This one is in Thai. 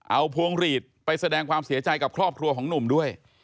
เอาพวงหลีดไปแสดงความเสียใจกับครอบครัวของหนุ่มด้วย